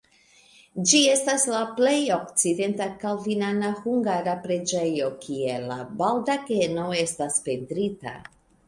Ĝi estas la plej okcidenta kalvinana hungara preĝejo, kie la baldakeno estas pentrita.